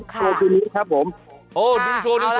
คุณติเล่าเรื่องนี้ให้ฮะ